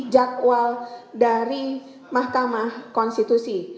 jakwal dari mahkamah konstitusi